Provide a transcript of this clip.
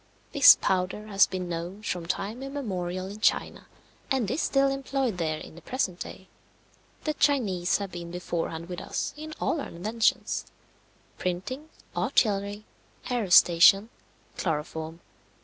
This powder has been known from time immemorial in China, and is still employed there in the present day. The Chinese have been beforehand with us in all our inventions printing, artillery, aerostation, chloroform.